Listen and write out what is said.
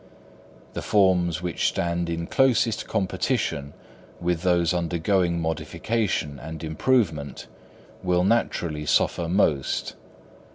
The forms which stand in closest competition with those undergoing modification and improvement, will naturally suffer most.